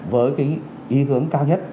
với ý hướng cao nhất